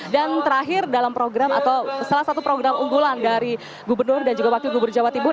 dan terakhir dalam program atau salah satu program unggulan dari gubernur dan juga wakil gubernur jawa timur